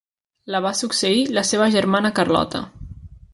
La va succeir la seva germana Carlota.